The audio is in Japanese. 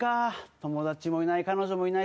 友達もいない、彼女もいない。